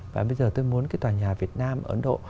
và bây giờ tôi muốn cái tòa nhà việt nam ở ấn độ